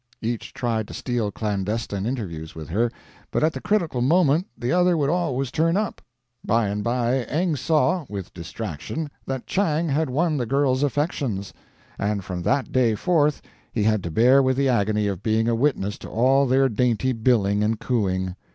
Each tried to steal clandestine interviews with her, but at the critical moment the other would always turn up. By and by Eng saw, with distraction, that Chang had won the girl's affections; and, from that day forth, he had to bear with the agony of being a witness to all their dainty billing and cooing.